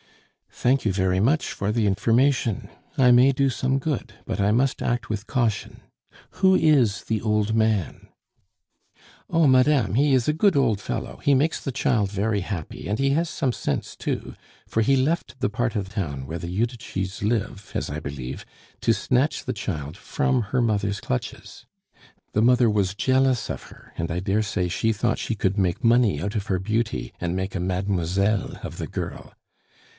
"Thank you very much for the information. I may do some good, but I must act with caution. Who is the old man?" "Oh! madame, he is a good old fellow; he makes the child very happy, and he has some sense too, for he left the part of town where the Judicis live, as I believe, to snatch the child from her mother's clutches. The mother was jealous of her, and I dare say she thought she could make money out of her beauty and make a mademoiselle of the girl.